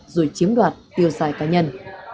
rồi chiếm đoạt tiêu xài cá nhân